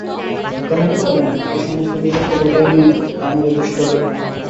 কেমন করে জানব, এই সমস্ত বিপত্তি ঘটায় নি আমারই দুষ্টগ্রহ?